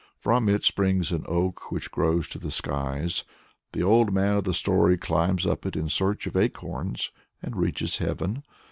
From it springs an oak which grows to the skies. The old man of the story climbs up it in search of acorns, and reaches heaven.